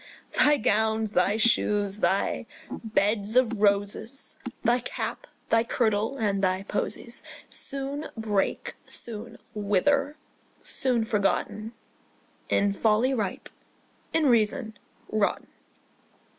Thy gowns, thy shoes, thy beds of roses, Thy cap, thy kirtle, and thy posies Soon break, soon wither, soon forgotten, In folly ripe, in reason rotten.